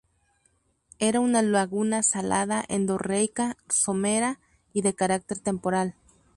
Era una laguna salada endorreica, somera y de carácter temporal.